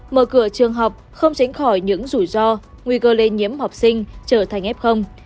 mở cửa trường học không tránh khỏi những rủi ro nguy cơ lây nhiễm học sinh trở thành f